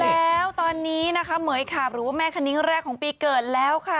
หนาวแล้วตอนนี้นะคะเหมือนกับแม่คนนิ้งแรกของปีเกิดแล้วค่ะ